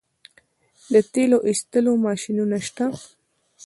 د تیلو ایستلو ماشینونه شته